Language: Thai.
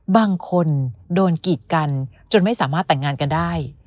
บางคนโดนกีดกันจนไม่สามารถแต่งงานกันได้